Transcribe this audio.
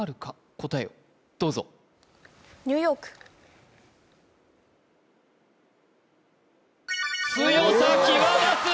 答えをどうぞ強さ際立つ